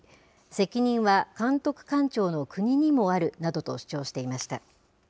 責任は監督官庁の国にもあるなどと主張していました。